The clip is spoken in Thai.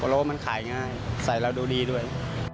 โปโลมันขายง่ายใส่แล้วดูดีด้วย